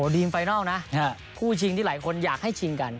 ดริมไฟนัลใช่มั้ย